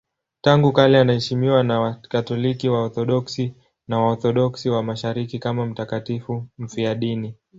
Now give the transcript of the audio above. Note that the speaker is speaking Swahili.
Tangu kale anaheshimiwa na Wakatoliki, Waorthodoksi na Waorthodoksi wa Mashariki kama mtakatifu mfiadini.